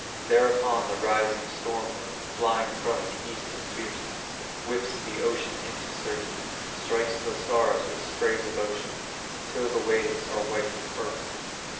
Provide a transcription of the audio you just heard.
Thereupon the rising storm wind Flying from the East in fierceness, Whips the ocean into surges, Strikes the stars with sprays of ocean Till the waves are white with fervor.